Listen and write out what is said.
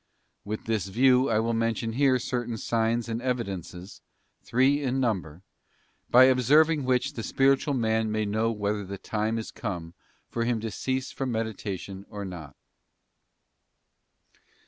With this view I will mention here certain signs and evidences, three in number, by observing which the spiritual man may know whether the time is come for him to cease from meditation or not.